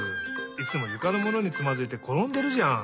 いつもゆかのものにつまずいてころんでるじゃん！